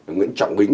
nguyễn trọng bính